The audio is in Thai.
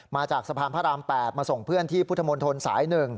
มาจากสะพานพระราม๘มาส่งเพื่อนที่พุทธมนตรสาย๑